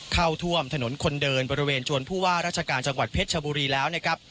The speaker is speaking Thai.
เข้าท่วมถนนคนเดินบริเวณชวนผู้ว่าราชการจังหวัดเพชรชบุรีแล้วนะครับ